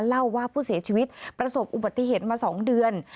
เล่าว่าผู้เสียชีวิตประสบอุบัติเหตุมา๒เดือน